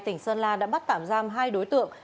tỉnh sơn la đã bắt tạm giam hai đối tượng